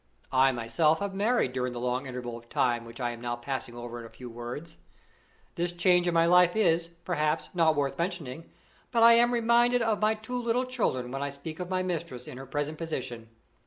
I myself have married during the long interval of time which I am now passing over in a few words. This change in my life is, perhaps, not worth mentioning, but I am reminded of my two little children when I speak of my mistress in her present position.